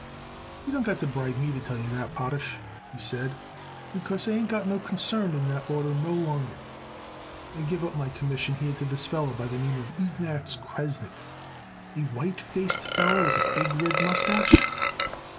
"You don't got to bribe me to tell you that, Potash," he said, "because I ain't got no concern in that order no longer. I give up my commission there to a feller by the name Ignatz Kresnick." "A white faced feller with a big red mustache?"